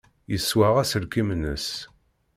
Yeswaɣ aselkim-nnes.